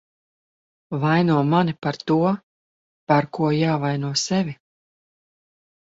Vaino mani par to, par ko jāvaino sevi.